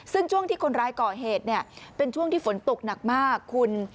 ซึ่งช่วงที่คนร้ายก่อเหตุเนี่ยเป็นช่วงที่ฝนตกหนักมากคุณ